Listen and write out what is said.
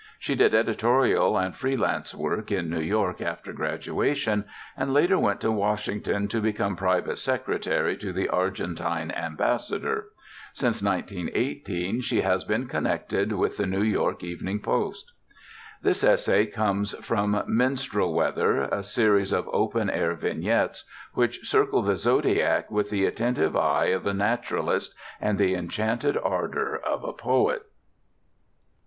She did editorial and free lance work in New York after graduation, and later went to Washington to become private secretary to the Argentine Ambassador. Since 1918 she has been connected with the New York Evening Post. This essay comes from Minstrel Weather, a series of open air vignettes which circle the zodiac with the attentive eye of a naturalist and the enchanted ardor of a poet.